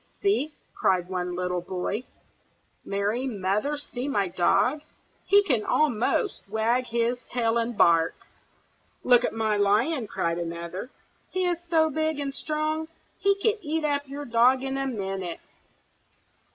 "See!" cried one little boy. "Mary Mother, see my dog! he can almost wag his tail and bark." "Look at my lion!" cried another. "He is so big and strong, he could eat up your dog in a minute."